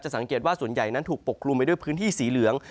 สังเกตว่าส่วนใหญ่นั้นถูกปกคลุมไปด้วยพื้นที่สีเหลือง